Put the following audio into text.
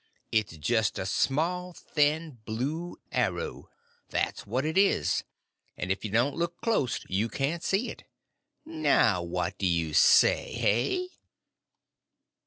It's jest a small, thin, blue arrow—that's what it is; and if you don't look clost, you can't see it. Now what do you say—hey?"